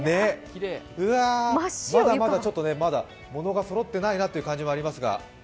うわまだまだちょっとものがそろっていないなという感じはありますが。